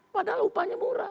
padahal upahnya murah